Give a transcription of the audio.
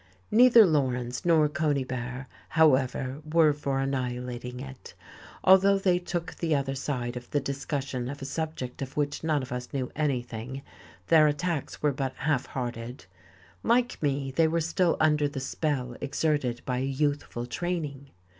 Neither Laurens nor Conybear, however, were for annihilating it: although they took the other side of the discussion of a subject of which none of us knew anything, their attacks were but half hearted; like me, they were still under the spell exerted by a youthful training.